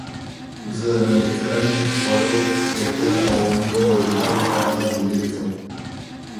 زه نن د کرنې ؛ خوړو؛ روغتیااو عمومي موضوع ګانو په اړه جملې لیکم.